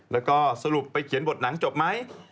เราก็สรุปเขียนบทหนังจบไหม